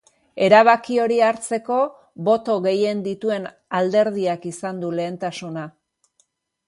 Erabaki hori hartzeko, boto gehien dituen alderdiak izan du lehentasuna.